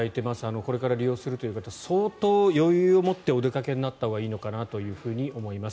これから利用するという方相当余裕を持ってお出かけになったほうがいいのかなと思います。